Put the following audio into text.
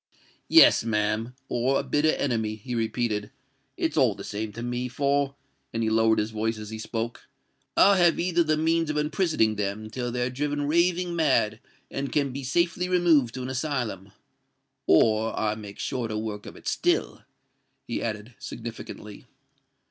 "Yes, ma'am—or a bitter enemy," he repeated;—"it's all the same to me; for,"—and he lowered his voice as he spoke—"I have either the means of imprisoning them till they're driven raving mad and can be safely removed to an asylum—or I make shorter work of it still!" he added, significantly.